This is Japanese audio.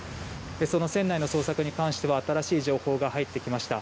その船内の捜索に関しては新しい情報が入ってきました。